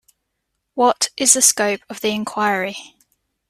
What is the scope of the inquiry?